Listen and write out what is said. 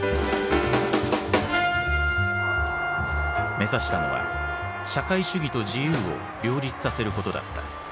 目指したのは社会主義と自由を両立させることだった。